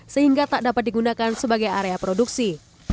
sehingga tak dapat digunakan sebagai area produksi